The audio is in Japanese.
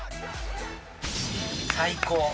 最高！